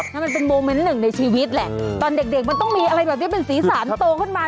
มันเป็นโมเมนต์หนึ่งในชีวิตแหละตอนเด็กมันต้องมีอะไรแบบนี้เป็นสีสันโตขึ้นมา